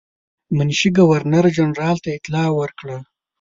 منشي ګورنر جنرال ته اطلاع ورکړه.